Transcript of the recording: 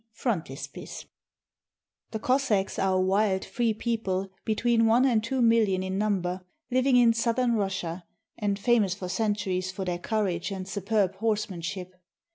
1848) The Cossacks are a wild, free people between one and two millions in number, living in southern Russia, and famous for centuries for their courage and superb horsemanship.